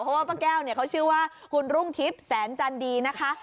เพราะว่าป้าแก้วเนี่ยเขาชื่อว่าคุณรุ่งทิพย์แสนจันดีนะคะ